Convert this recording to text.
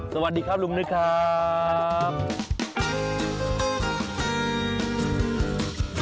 สวัสดีครับลุงนึกครับ